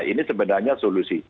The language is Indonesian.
ini sebenarnya solusi